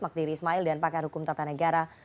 magdir ismail dan pakar hukum tata negara